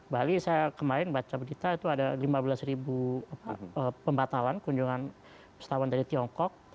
bali saya kemarin baca berita itu ada lima belas ribu pembatalan kunjungan wisatawan dari tiongkok